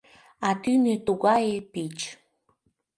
А тӱнӧ тугае пич.